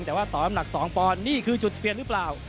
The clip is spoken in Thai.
แต่ว่าต่อน้ำหนัก๒ปอนด์นี่คือจุดเปลี่ยนหรือเปล่า